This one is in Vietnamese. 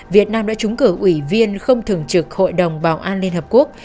việt nam đã trúng cử ủy viên không thường trực hội đồng bảo an liên hợp quốc